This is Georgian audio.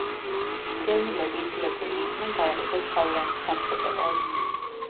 დევნილები იძულებულნი იყვნენ გაეყიდათ თავიანთი სამფლობელოები.